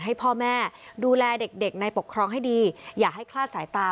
ให้พ่อแม่ดูแลเด็กในปกครองให้ดีอย่าให้คลาดสายตา